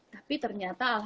tapi ternyata alhamdulillah